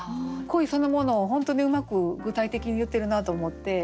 恋そのものを本当にうまく具体的に言ってるなと思って。